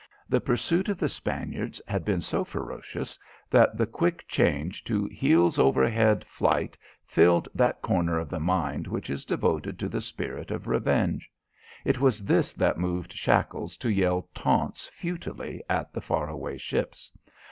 The pursuit of the Spaniards had been so ferocious that the quick change to heels overhead flight filled that corner of the mind which is devoted to the spirit of revenge. It was this that moved Shackles to yell taunts futilely at the far away ships.